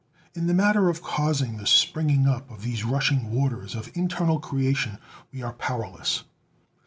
In the matter of causing the springing up of these rushing waters of internal creation we are powerless.